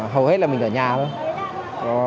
hầu hết là mình ở nhà thôi